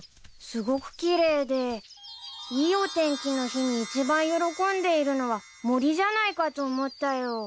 すごく奇麗でいいお天気の日に一番喜んでいるのは森じゃないかと思ったよ。